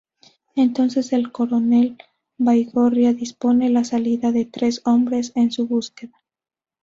Entonces el Coronel Baigorria dispone la salida de tres hombres en su búsqueda.